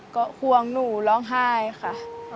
ก็ห่วงหนูร้องไห้ค่ะ